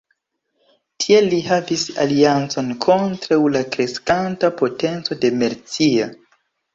Tiel li havis aliancon kontraŭ la kreskanta potenco de Mercia.